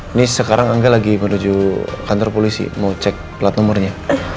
ini sekarang angga lagi menuju kantor polisi mau cek plat nomornya